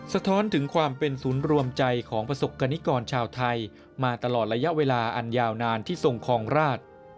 สะท้อนถึงความเป็นศูนย์รวมใจของประสบกรณิกรชาวไทยมาตลอดระยะเวลาอันยาวนานที่ทรงคลองราช